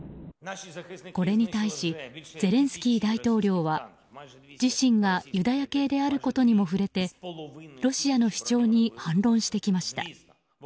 これに対しゼレンスキー大統領は自身がユダヤ系であることにも触れてロシアの主張に反論してきました。